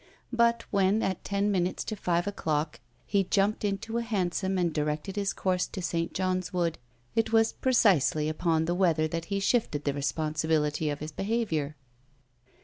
But when at ten minutes to five o'clock he jumped into a hansom and directed his course to Saint John's Wood it was precisely upon the weather that he shifted the responsibility of his behaviour.